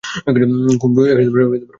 খুব বেশি রাজনৈতিক ছিল?